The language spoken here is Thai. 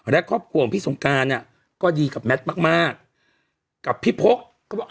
และครอบครัวของพี่สงการอ่ะก็ดีกับแมทมากมากกับพี่พกก็บอก